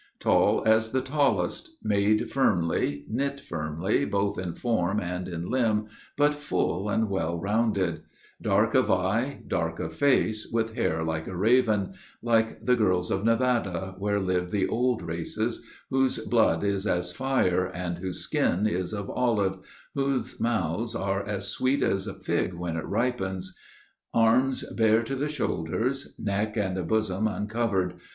Tall as the tallest. Made firmly, knit firmly Both in form and in limb, but full and well rounded; Dark of eye, dark of face, with hair like a raven, Like the girls of Nevada, where live the old races, Whose blood is as fire, and whose skin is of olive, Whose mouths are as sweet as a fig when it ripens. Arms bare to the shoulders. Neck and bosom uncovered.